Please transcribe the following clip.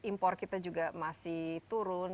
impor kita juga masih turun